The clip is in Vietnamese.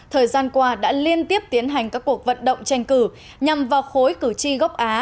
thời gian qua đã liên tiếp tiến hành các cuộc vận động tranh cử nhằm vào khối cử tri gốc á